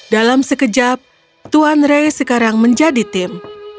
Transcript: dalam sekejap tuan ray sekarang menjadi tim